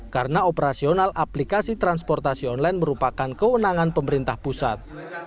karena operasional aplikasi transportasi online merupakan kewenangan pemerintah pusat